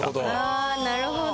あなるほど。